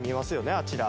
あちら